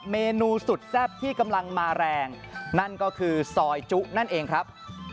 เมนูสุดแซ่บที่กำลังมาแรงนั่นก็คือซอยจุนั่นเองครับ